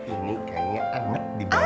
ini kayaknya anget di bawah